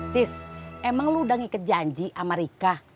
tis emang lu udah ngikut janji sama rika